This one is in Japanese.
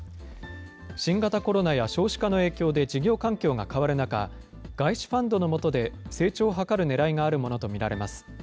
新型コロナや少子化の影響で事業環境が変わる中、外資ファンドの下で成長を図るねらいがあるものと見られます。